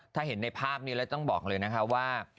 ถ้าเห็นในภาพนี้เราต้องบอกเลยกันว่า